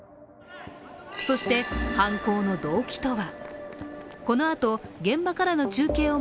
そして、犯行の動機とは？